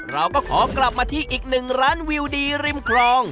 เราก็ขอกลับมาที่อีกหนึ่งร้านวิวดีริมคลอง